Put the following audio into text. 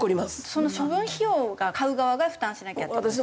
その処分費用が買う側が負担しなきゃって事ですよね？